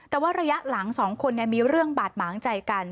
แต่ว่าระยะหลังสองคนมีเรื่องบาดหมางใจกัน